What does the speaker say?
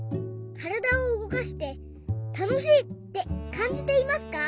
からだをうごかしてたのしいってかんじていますか？